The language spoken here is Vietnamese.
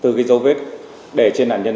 từ cái dấu viết để trên nạn nhân